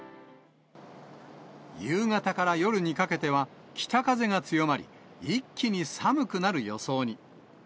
夕方から夜にかけては、北風が強まり、一気に寒くなる予想に。